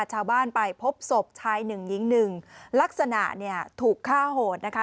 ชาวบ้านไปพบศพชายหนึ่งหญิงหนึ่งลักษณะเนี่ยถูกฆ่าโหดนะคะ